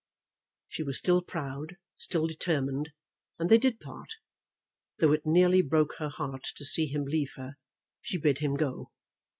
She was still proud, still determined, and they did part. Though it nearly broke her heart to see him leave her, she bid him go.